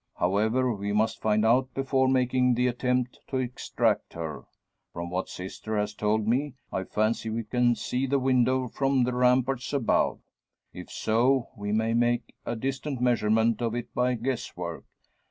However, we must find out before making the attempt to extract her. From what sister has told me, I fancy we can see the window from the Ramparts above. If so, we may make a distant measurement of it by guess work.